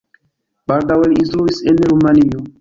Baldaŭe li instruis en Rumanio.